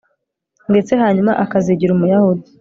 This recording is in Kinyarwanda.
ndetse hanyuma akazigira umuyahudi